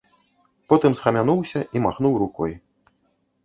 Потым схамянуўся і махнуў рукой.